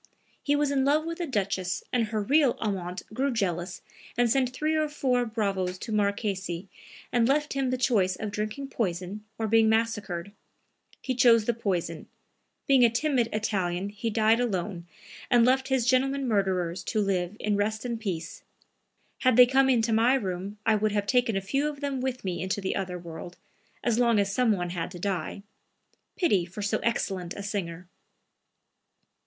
He was in love with a duchess and her real amant grew jealous and sent three or four bravos to Marquesi and left him the choice of drinking poison or being massacred. He chose the poison. Being a timid Italian he died alone and left his gentlemen murderers to live in rest and peace. Had they come into my room, I would have taken a few of them with me into the other world, as long as some one had to die. Pity for so excellent a singer!"